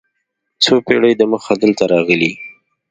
څو پېړۍ دمخه دلته راغلي.